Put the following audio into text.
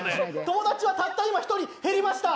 友達はたった今、１人減りました。